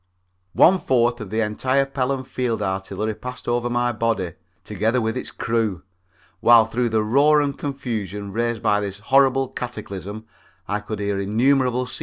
One fourth of the entire Pelham field artillery passed over my body, together with its crew, while through the roar and confusion raised by this horrible cataclysm I could hear innumerable C.P.